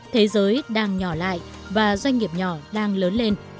thế giới đang nhỏ lại và doanh nghiệp nhỏ đang lớn lên